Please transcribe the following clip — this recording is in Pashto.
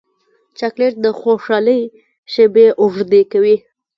چاکلېټ د خوشحالۍ شېبې اوږدې کوي.